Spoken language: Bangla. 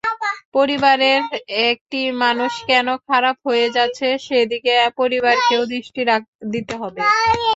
পরিবারের একটি মানুষ কেন খারাপ হয়ে যাচ্ছে, সেদিকে পরিবারকেও দৃষ্টি দিতে হবে।